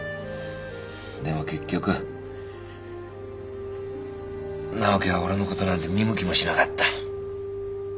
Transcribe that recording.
でも結局直樹は俺のことなんて見向きもしなかった。